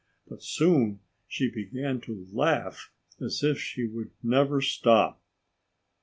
But soon she began to laugh as if she would never stop.